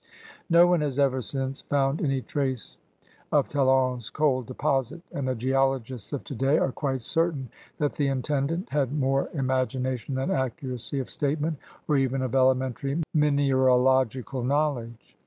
No one has ever since found any trace of Talon's coal deposit, and the geologists of today are quite certain that the intendant had more imagination than accuracy of statement or even of elementary mineralogical knowledge.